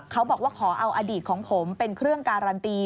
เขาบอกว่าขอเอาอดีตของผมเป็นเครื่องการันตี